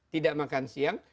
tidak makan siang